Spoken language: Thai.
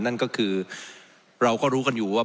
นั่นก็คือเราก็รู้กันอยู่ว่า